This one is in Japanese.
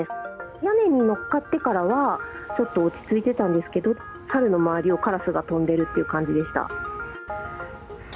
屋根に乗っかってからは、ちょっと落ち着いてたんですけど、サルの周りをカラスが飛んでるって感じでした。